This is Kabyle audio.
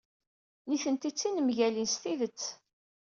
Nitenti d tinemgalin s tidet.